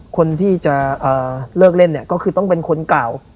คนที่จะเลิกเล่นเนี่ยก็คือต้องเป็นคนเก่า